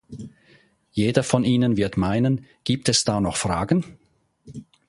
Jeder von Ihnen wird meinen, gibt es da noch Fragen?